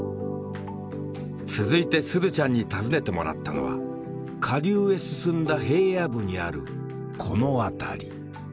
続いてすずちゃんに訪ねてもらったのは下流へ進んだ平野部にあるこの辺り。